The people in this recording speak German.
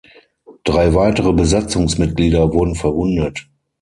Drei weitere Besatzungsmitglieder wurden verwundet.